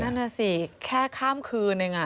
นั่นนะสิแค่ข้ามคืน